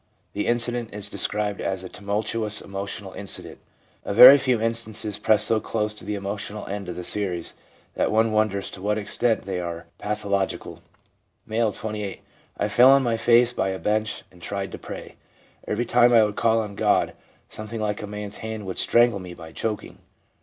The incident is described as a 1 tumultuous emotional incident.' A very few instances press so close to the emotional end of the series that one wonders to what extent they are pathological. M., 28. ' I fell on my face by a bench and tried to pray. Every time I would call on God something like a man's hand would strangle me by choking.